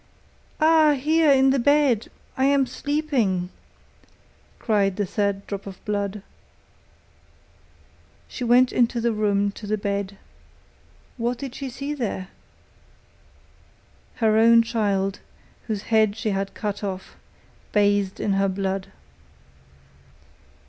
'Ah, here in the bed, I am sleeping,' cried the third drop of blood. She went into the room to the bed. What did she see there? Her own child, whose head she had cut off, bathed in her blood.